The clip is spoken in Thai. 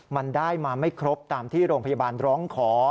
มันได้มาไม่ครบตามที่โรงพยาบาลร้องขอ